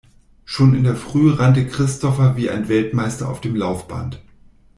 Schon in der Früh rannte Christopher wie ein Weltmeister auf dem Laufband.